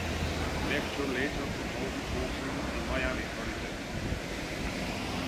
Lectoure later promoted boxing in Miami, Florida.